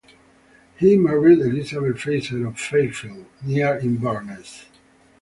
He married Elizabeth Fraser of Fairfield, near Inverness.